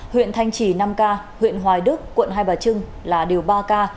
huyện thanh trì năm ca huyện hoài đức quận hai bà trưng là điều ba ca